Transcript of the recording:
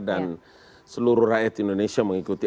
dan seluruh rakyat indonesia mengikuti